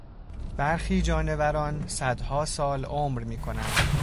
برخی جانوران صدها سال عمر میکنند.